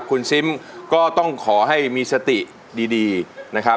คุณซิมก็ต้องขอให้มีสติดีนะครับ